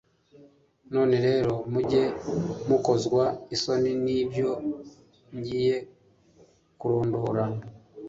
none rero, mujye mukozwa isoni n'ibyo ngiye kurondora